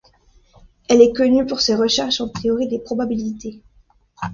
Elle est connue pour ses recherches en théorie des probabilités.